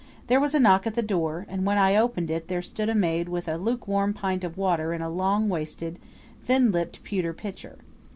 There was a knock at the door, and when I opened it there stood a maid with a lukewarm pint of water in a long waisted, thin lipped pewter pitcher.